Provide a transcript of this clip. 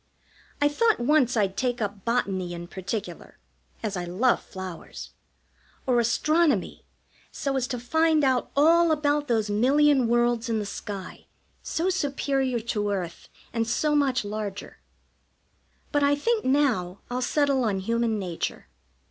I thought once I'd take up Botany in particular, as I love flowers; or Astronomy, so as to find out all about those million worlds in the sky, so superior to earth, and so much larger; but I think, now, I'll settle on Human Nature.